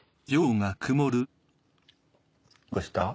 どうかした？